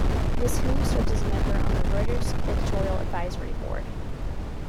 Ms Hu serves as a member on the Reuters Editorial Advisory Board.